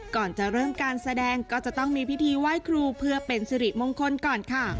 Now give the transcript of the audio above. ก่อนจะเริ่มการแสดงก็จะต้องมีพิธีไหว้ครูเพื่อเป็นสิริมงคลก่อนค่ะ